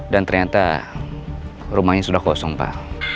dan ternyata rumahnya sudah kosong pak